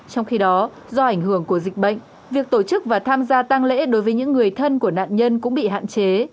trong khi đó do ảnh hưởng của dịch bệnh việc tổ chức và tham gia tăng lễ đối với những người thân của nạn nhân cũng bị hạn chế